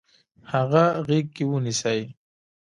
هغه غیږ کې ونیسئ.